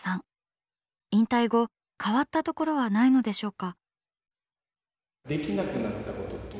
引退後変わったところはないのでしょうか？